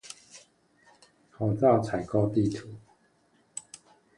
口罩採購地圖